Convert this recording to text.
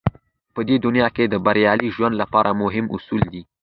په دې دنيا کې بريالي ژوند لپاره مهم اصول دی.